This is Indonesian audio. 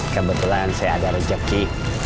kebetulan saya ada rezeki